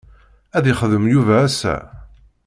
Ad yexdem Yuba ass-a?